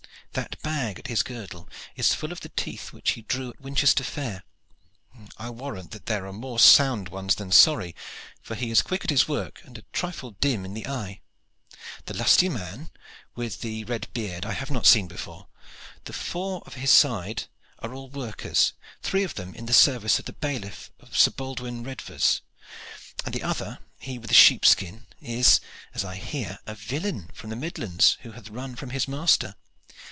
That bag at his girdle is full of the teeth that he drew at Winchester fair. I warrant that there are more sound ones than sorry, for he is quick at his work and a trifle dim in the eye. The lusty man next him with the red head I have not seen before. The four on this side are all workers, three of them in the service of the bailiff of Sir Baldwin Redvers, and the other, he with the sheepskin, is, as I hear, a villein from the midlands who hath run from his master.